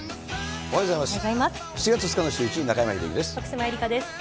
おはようございます。